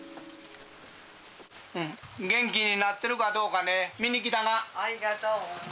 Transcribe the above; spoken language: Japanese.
元気になってるかどうかね、ありがとう。